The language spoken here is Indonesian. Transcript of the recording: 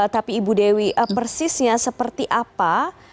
tapi ibu dewi persisnya seperti apa